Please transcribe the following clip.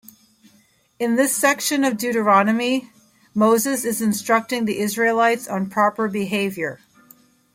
In this section of Deuteronomy Moses is instructing the Israelites on proper behaviour.